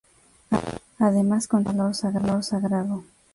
Además, contenía un valor sagrado.